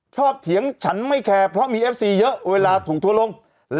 เถียงฉันไม่แคร์เพราะมีเอฟซีเยอะเวลาถุงทัวร์ลง